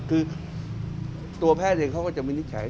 คือตัวแพทย์เองเขาก็จะวินิจฉัย